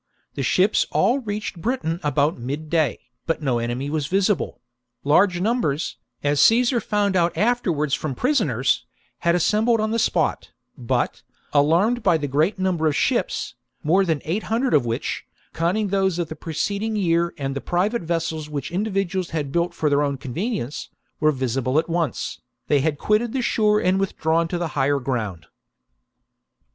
The ships all reached Britain about midday, but no enemy was visible : large numbers, as Caesar found out ' afterwards from prisoners, had assembled at the spot, but, alarmed by the great number of the ships, more than eight hundred of which, counting those of the preceding year and the private vessels which individuals had built for their own con venience, were visible at once, they had quitted the shore and withdrawn to the higher ground.